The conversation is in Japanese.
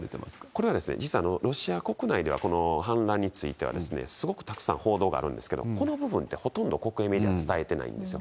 これは、実はロシア国内では、この反乱については、すごくたくさん報道があるんですけれども、この部分ってほとんど国営メディアは伝えてないんですよ。